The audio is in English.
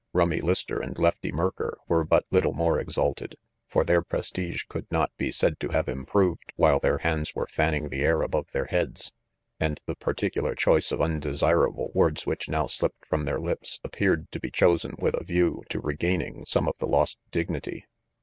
Rummy Lister and Lefty Merker were but little more exalted, for their prestige could not be said to have improved while their hands were fanning the air above their heads, and the particular choice of undesirable words which now slipped from their lips appeared to be chosen with a view to regaining some of the lost dignity.